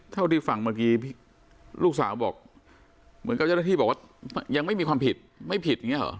เท่าที่ฟังเมื่อกี้ลูกสาวบอกเหมือนกับเจ้าหน้าที่บอกว่ายังไม่มีความผิดไม่ผิดอย่างนี้เหรอ